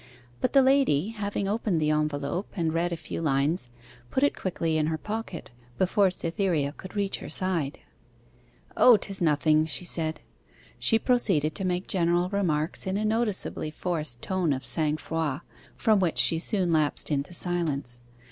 But the lady, having opened the envelope and read a few lines, put it quickly in her pocket, before Cytherea could reach her side. 'O, 'tis nothing,' she said. She proceeded to make general remarks in a noticeably forced tone of sang froid, from which she soon lapsed into silence.